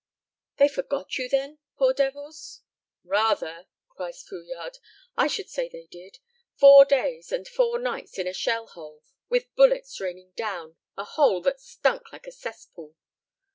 "They forgot you, then, poor devils?" "Rather!" cries Fouillade, "I should say they did. Four days and four nights in a shell hole, with bullets raining down, a hole that stunk like a cesspool."